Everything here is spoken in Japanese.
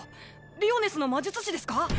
リオネスの魔術士ですか？